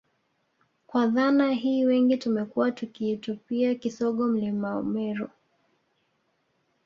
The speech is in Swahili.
Kwa dhana hii wengi tumekuwa tukiutupia kisogo Mlima Meru